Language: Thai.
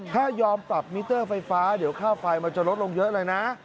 ถ้ายอมปรับมิเตอร์ไฟฟ้าเดี๋ยวค่าไฟมันจะลดลงเยอะเลยนะ